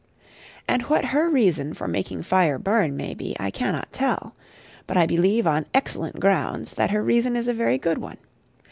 And what her reason for making fire burn may be I cannot tell. But I believe on excellent grounds that her reason is a very good one.